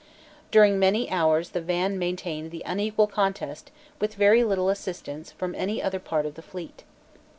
During many hours the van maintained the unequal contest with very little assistance from any other part of the fleet.